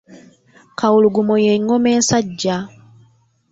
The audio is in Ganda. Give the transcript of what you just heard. Kawulugumo ye ngoma ensajja .